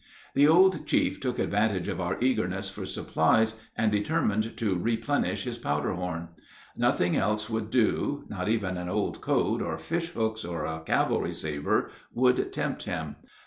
The old chief took advantage of our eagerness for supplies, and determined to replenish his powder horn. Nothing else would do; not even an old coat, or fish hooks, or a cavalry saber would tempt him.